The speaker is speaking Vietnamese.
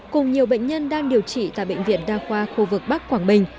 cùng nhiều bệnh nhân đang điều trị tại bệnh viện đa khoa khu vực bắc quảng bình